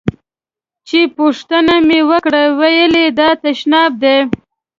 چې پوښتنه مې وکړه ویل یې دا تشناب دی.